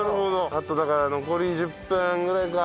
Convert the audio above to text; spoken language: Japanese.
あとだから残り１０分ぐらいか。